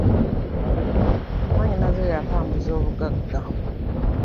Mwannyinaze oyo atambuzza abagagga!